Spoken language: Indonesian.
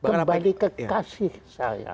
kembali ke kasih saya